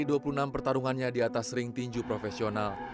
dari dua puluh enam pertarungannya di atas ring tinju profesional